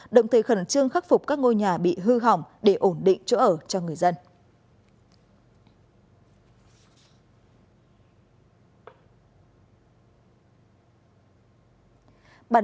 động thể khẩn trương khắc phục các ngôi nhà bị hư hỏng để ổn định chỗ ở cho người dân